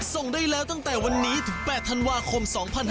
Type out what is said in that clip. ส่งได้แล้วตั้งแต่วันนี้ถึง๘ธันวาคม๒๕๕๙